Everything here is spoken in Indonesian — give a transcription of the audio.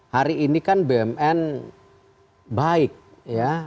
hari ini kan bumn baik ya